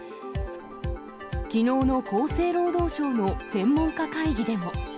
きのうの厚生労働省の専門家会議でも。